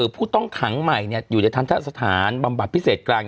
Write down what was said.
ผู้ต้องขังใหม่อยู่ในทันทะสถานบำบัดพิเศษกลาง